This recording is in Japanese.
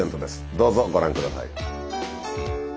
どうぞご覧ください。